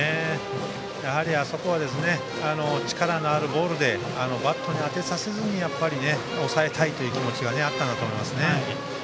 あそこは力のあるボールでバットに当てさせずに抑えたいという気持ちがあったんだと思いますね。